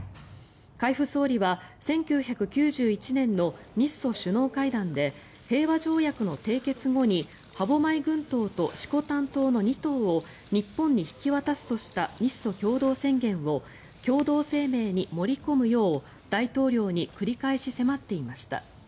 海部総理は１９９１年の日ソ首脳会談で平和条約の締結後に歯舞群島と色丹島の２島を日本に引き渡すとした日ソ共同宣言を共同声明に盛り込むよう大統領に繰り返し迫っていました。